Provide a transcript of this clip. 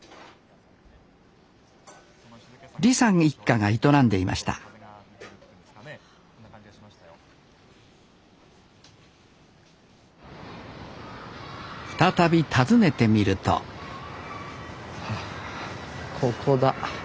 李さん一家が営んでいました再び訪ねてみるとここだ。